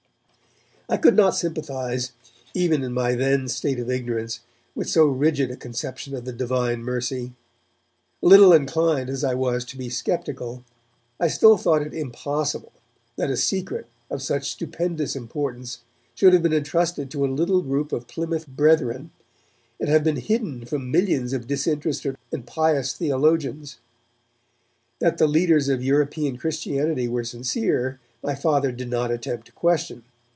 I could not sympathize, even in my then state of ignorance, with so rigid a conception of the Divine mercy. Little inclined as I was to be sceptical, I still thought it impossible, that a secret of such stupendous importance should have been entrusted to a little group of Plymouth Brethren, and have been hidden from millions of disinterested and pious theologians. That the leaders of European Christianity were sincere, my Father did not attempt to question.